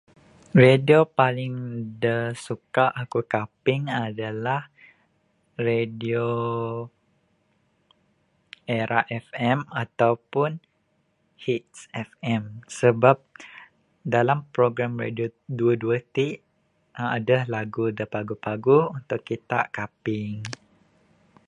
Radio paling da suka akuk kaping adalah radio Era FM atau pun Hits FM. Sebab dalam program radio duwuh duwuh tik, uhh aduh lagu da paguh paguh untuk kitak kaping.